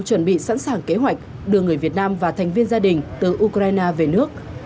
chuẩn bị sẵn sàng kế hoạch đưa người việt nam và thành viên gia đình từ ukraine về nước